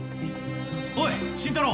おい新太郎！